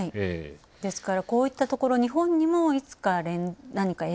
ですから、こういったところ日本にもいつか何か影響が。